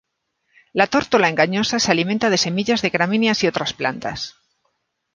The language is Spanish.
La tórtola engañosa se alimenta de semillas de gramíneas y otras plantas.